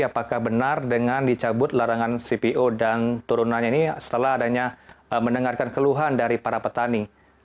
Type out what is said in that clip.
apakah benar dengan dicabut larangan cpo dan turunannya ini setelah adanya mendengarkan keluhan dari para petani